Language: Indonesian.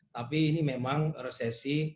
tapi ini memang resesi